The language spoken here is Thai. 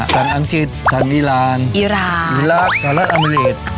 ศัลอังจิตศัลอิราณอิราณอิรักษ์อเมริกา